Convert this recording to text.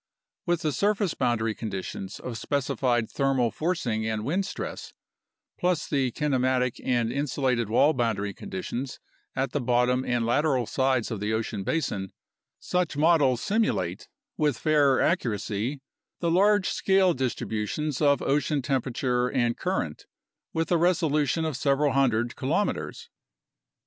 With the surface bound ary conditions of specified thermal forcing and wind stress (plus the kinematic and insulated wall boundary conditions at the bottom and lateral sides of the ocean basin), such models simulate with fair ac curacy the large scale distributions of ocean temperature and current with a resolution of several hundred kilometers.